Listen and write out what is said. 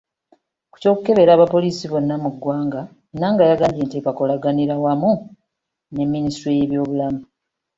Ku ky’okukebera abapoliisi bonna mu ggwanga, Enanga yagambye nti bakolaganira wamu ne Minisitule y’ebyobulamu.